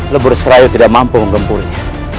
lembur seraya tidak mampu menggambulnya